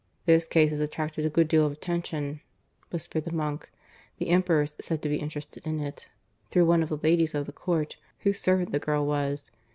"This case has attracted a good deal of attention," whispered the monk. "The Emperor's said to be interested in it, through one of the ladies of the Court, whose servant the girl was.